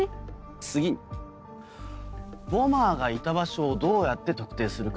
次にボマーがいた場所をどうやって特定するか。